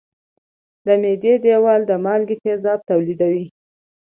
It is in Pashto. د معدې دېوال د مالګي تیزاب تولیدوي.